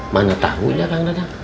mana tahu ya kang dadang